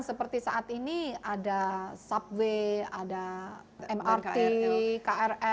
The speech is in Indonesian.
seperti saat ini ada subway ada mrt krl